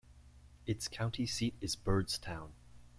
Its county seat is Byrdstown.